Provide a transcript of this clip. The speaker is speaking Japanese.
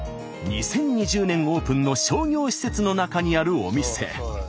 オープンの商業施設の中にあるお店。